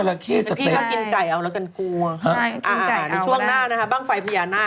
พี่ถ้ากินไก่เอาแล้วกันกูอะอาหารในช่วงหน้านะฮะบ้างไฟภายณะ